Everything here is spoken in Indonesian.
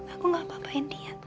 aku gak apa apain dia